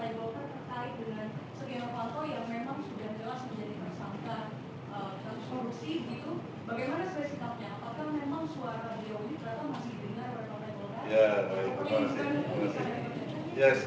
ya baik terima kasih